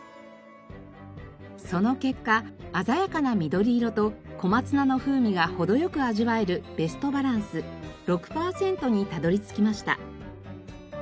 その結果鮮やかな緑色と小松菜の風味が程良く味わえるベストバランス６パーセントにたどり着きました。